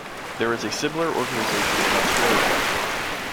There is a similar organisation in Australia.